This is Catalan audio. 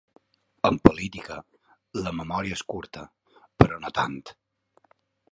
En política, la memòria és curta, però no tant.